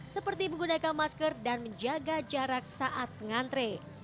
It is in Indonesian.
seperti menggunakan masker dan menjaga jarak saat mengantre